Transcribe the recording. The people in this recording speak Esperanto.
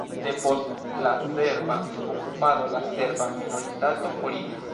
Depost la serba okupado la serba minoritato foriris.